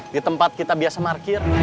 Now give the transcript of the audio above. di tempat kita biasa parkir